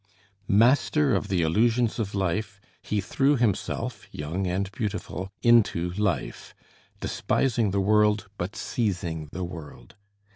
Master of the illusions of life he threw himself young and beautiful into life; despising the world, but seizing the world.